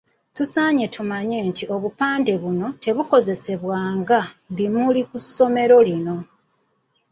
Tusaana tumanye nti obupande buno tebukozesebwa nga “bimuli” mu masomero.